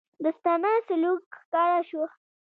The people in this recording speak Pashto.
دوستانه سلوک ښکاره شو.